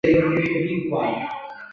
莱瑟萨尔德。